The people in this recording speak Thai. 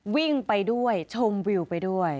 วิ่งไปด้วยชมวิวไปด้วย